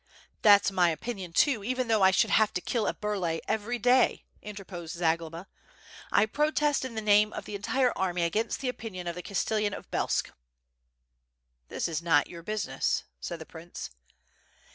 "That's my opinion too, even though I should have to kill a Burlay every day," interposed Zagloba, "I protest in the name of the entire army against the opinion of the Cas tellan of Belsk." "This is not your business," said the prince.